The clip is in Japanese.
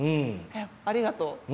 ありがとう。